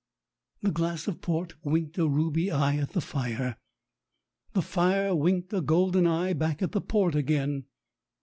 The glass of port winked a ruby eye at the fire. The fire winked a golden eye back at the port again.